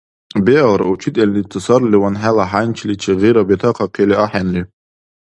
Биалра, учительница сарливан, хӀела хӀянчиличи гъира бетахъахъили ахӀенри.